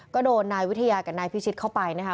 ก็โดนนายวิทยากับนายพิชิตเข้าไปนะคะ